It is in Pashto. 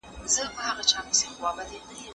پلاستیک چاپیریال ته زیان رسوي.